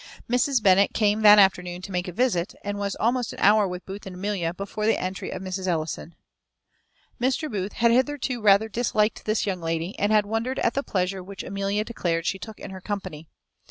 Mrs. Bennet came that afternoon to make a visit, and was almost an hour with Booth and Amelia before the entry of Mrs. Ellison. Mr. Booth had hitherto rather disliked this young lady, and had wondered at the pleasure which Amelia declared she took in her company.